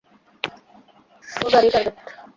ওর গাড়িই টার্গেট।